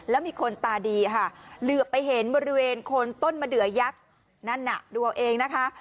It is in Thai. แล้วมีคนตาดีค่ะเหลือไปเห็นบริเวณคนต้นมะเดือยักษ์นั่นน่ะดูเอาเองนะคะ